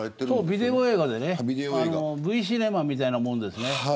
ビデオ映画でＶシネマみたいなものですね。